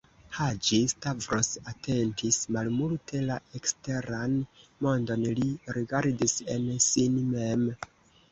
Haĝi-Stavros atentis malmulte la eksteran mondon: li rigardis en sin mem.